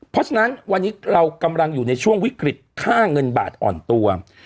เพราะฉะนั้นวันนี้เรากำลังอยู่ในช่วงวิกฤตค่าเงินบาทอ่อนตัว